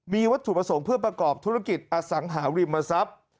มีวัตถุประสงค์เพื่อประกอบธุรกิจอสังหาริมทรัพย์